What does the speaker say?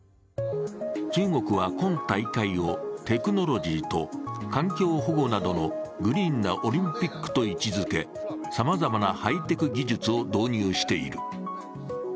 中国は今大会をテクノロジーと環境保護などのグリーンなオリンピックと位置づけ、さまざまなハイテク技術を導入している。